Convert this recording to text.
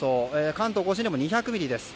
関東・甲信でも２００ミリです。